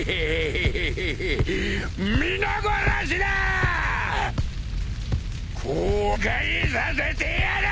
皆殺しだ！